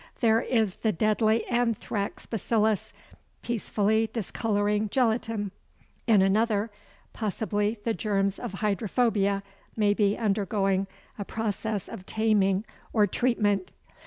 There is the deadly anthrax bacillus peacefully discolouring gelatine; in another, possibly the germs of hydrophobia may be undergoing a process of taming or treatment.